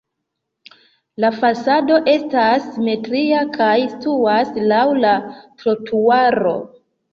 La fasado estas simetria kaj situas laŭ la trotuaro.